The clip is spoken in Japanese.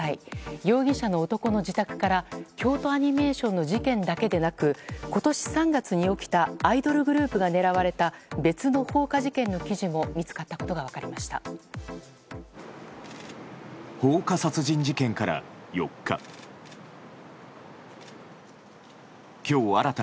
容疑者の男の自宅から京都アニメーションの事件だけでなく今年３月に起きたアイドルグループが狙われた別の放火事件の記事も見つかったことが分かりました。